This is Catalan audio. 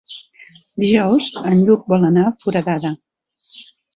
Dijous en Lluc vol anar a Foradada.